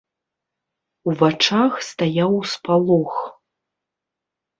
У вачах стаяў спалох.